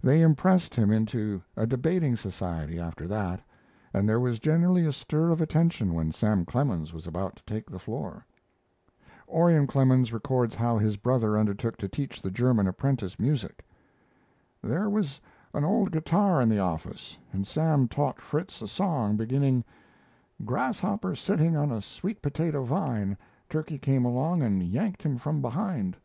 They impressed him into a debating society after that, and there was generally a stir of attention when Sam Clemens was about to take the floor. Orion Clemens records how his brother undertook to teach the German apprentice music. "There was an old guitar in the office and Sam taught Fritz a song beginning: "Grasshopper sitting on a sweet potato vine, Turkey came along and yanked him from behind."